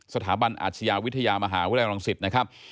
สถาบันอาชญาวิทยามหาวิทยาลัยรังสิตนะครับ